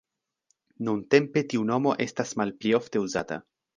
Nuntempe tiu nomo estas malpli ofte uzata.